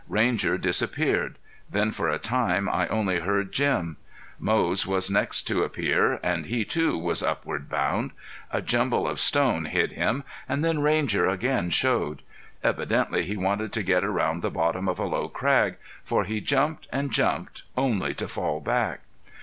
Ranger disappeared. Then for a time I only heard Jim. Moze was next to appear and he, too, was upward bound. A jumble of stone hid him, and then Ranger again showed. Evidently he wanted to get around the bottom of a low crag, for he jumped and jumped only to fall back.